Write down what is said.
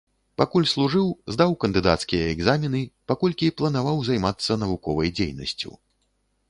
Пакуль служыў, здаў кандыдацкія экзамены, паколькі планаваў займацца навуковай дзейнасцю.